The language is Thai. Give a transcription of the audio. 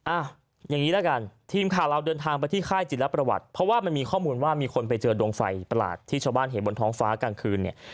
อย่างนี้ละกันทีมข่าวเราเดินทางไปที่ค่ายจิลประวัติเพราะว่ามันมีข้อมูลว่ามีคนไปเจอดวงไฟประหลาดที่ชาวบ้านเห็นบนท้องฟ้ากลางคืนเนี่ย